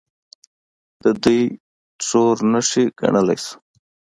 د دوی ټرور نښې ګڼلی شو.